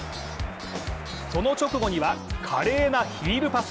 その直後には、華麗なヒールパス。